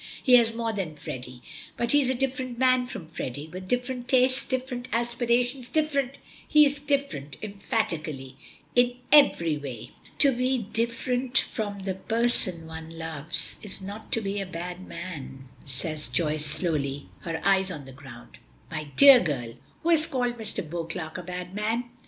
"He has more than Freddy." "But he is a different man from Freddy with different tastes, different aspirations, different He's different," emphatically, "in every way!" "To be different from the person one loves is not to be a bad man," says Joyce slowly, her eyes on the ground. "My dear girl, who has called Mr. Beauclerk a bad man?"